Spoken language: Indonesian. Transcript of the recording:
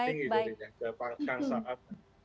tinggi darinya kansaan